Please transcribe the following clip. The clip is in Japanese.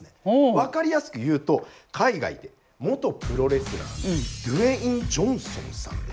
分かりやすくいうと海外で元プロレスラーのドウェイン・ジョンソンさんですね。